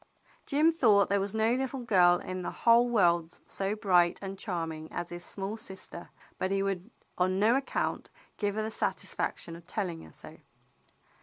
Jim thought there was no little girl in the whole world so bright and charming as his small sister, but he would on no account give her the satisfaction of telling her so.